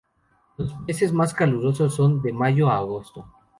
Los meses más calurosos son de mayo a agosto.